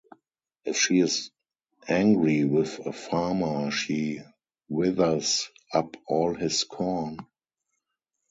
If she is angry with a farmer, she withers up all his corn.